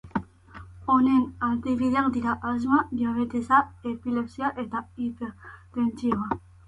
Honen adibideak dira asma, diabetesa, epilepsia eta hipertentsioa.